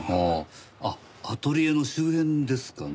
あっアトリエの周辺ですかね？